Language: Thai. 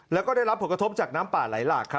แล้วก็ได้รับผลกระทบจากน้ำป่าไหลหลากครับ